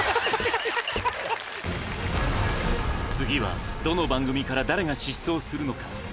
次はどの番組から誰が失踪するのか？